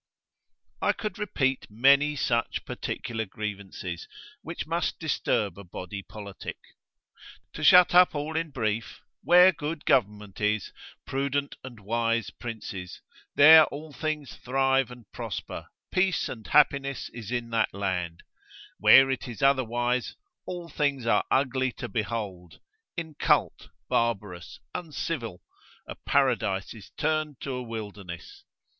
I could repeat many such particular grievances, which must disturb a body politic. To shut up all in brief, where good government is, prudent and wise princes, there all things thrive and prosper, peace and happiness is in that land: where it is otherwise, all things are ugly to behold, incult, barbarous, uncivil, a paradise is turned to a wilderness.